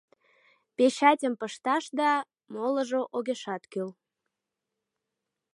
Печатьым пышташ да, молыжо огешат кӱл.